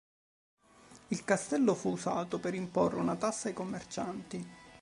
Il castello fu usato per imporre una tassa ai commercianti.